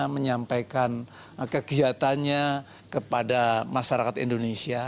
menyampaikan kegiatannya kepada masyarakat indonesia